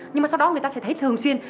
nhưng mà sau đó người ta sẽ thấy thường xuyên